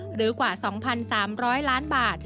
หรือกว่า๒๓๐๐ล้านบาท